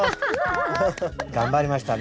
頑張りましたね。